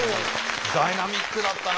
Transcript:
ダイナミックだったな。